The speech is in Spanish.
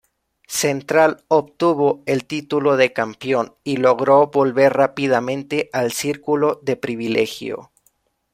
Central obtuvo el título de campeón y logró volver rápidamente al círculo de privilegio.